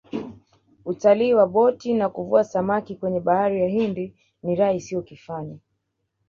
utalii wa boti na kuvua samaki kwenye bahari ya hindi ni raha isiyo kifani